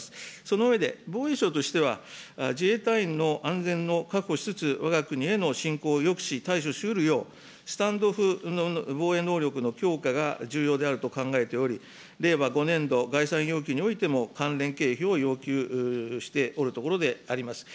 その上で、防衛省としては、自衛隊員の安全を確保しつつ、わが国への侵攻抑止、対処しうるよう、スタンド・オフ防衛能力の強化が重要であると考えており、令和５年度概算要求においても、関連経費を要求しておるところであります。